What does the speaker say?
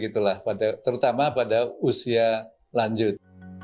terutama pada usia lanjut